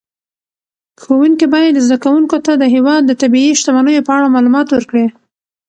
ښوونکي باید زده کوونکو ته د هېواد د طبیعي شتمنیو په اړه معلومات ورکړي.